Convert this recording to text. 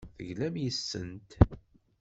Teglam yes-sent.